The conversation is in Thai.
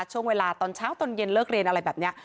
ช่วงเวลาตอนเช้าตอนเย็นเลิกเรียนอะไรแบบนี้